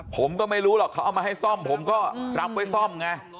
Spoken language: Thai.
ผมก็ไม่รู้หรอกเขาเอามาให้ซ่อมผมก็รับไว้ซ่อมไง